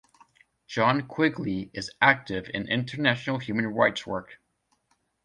John Quigley is active in international human rights work.